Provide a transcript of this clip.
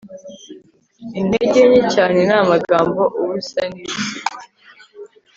intege nke cyane ni amagambo, ubusa ni ibisigo